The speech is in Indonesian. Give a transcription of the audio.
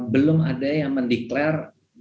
belum ada yang mendeklarasi